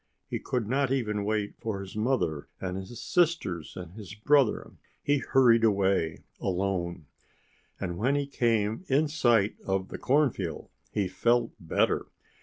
He could not even wait for his mother and his sisters and his brother. He hurried away alone. And when he came in sight of the cornfield he felt better.